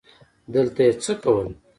دلته یې څه کول ؟